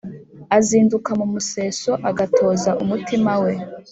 Azinduka mu museso, agatoza umutima we